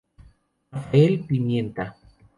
Rafael Pimienta.